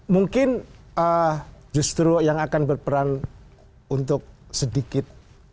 mungkin justru yang akan berperan untuk sedikit